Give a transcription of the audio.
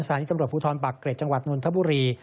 สถานีตำรวจภูทรปากเกร็จจังหวัดนนทบุรี